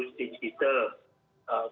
terus termasuk juga mobilitas retikal